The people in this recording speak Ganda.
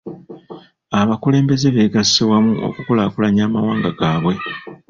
Abakulembeze beegasse wamu okukulaakulanya amawanga gaabwe.